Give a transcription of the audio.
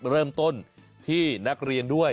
เริ่มต้นที่นักเรียนด้วย